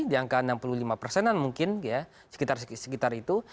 di angka enam puluh lima persenan mungkin ya sekitar itu